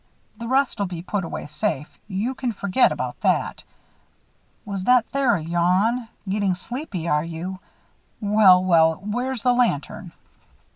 The rest'll be put away safe you can forgit about that. Was that there a yawn? Gettin' sleepy, are you? Well, well, where's the lantern?"